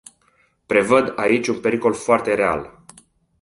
Prevăd aici un pericol foarte real.